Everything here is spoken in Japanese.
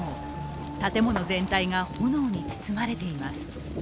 建物全体が炎に包まれています。